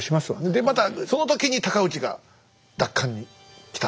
でまたその時に尊氏が奪還に来たという。